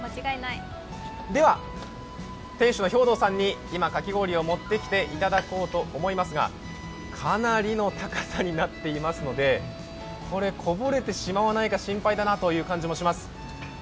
では、店主の兵藤さんにかき氷を持ってきていただこうと思いますがかなりの高さになっていますのでこれ、こぼれてしまわないか心配だなという感じもします。